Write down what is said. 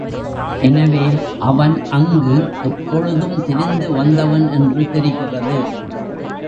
எனவே அவன் அங்கு எப்பொழுதும் திரிந்து வந்தவன் என்று தெரிகிறது.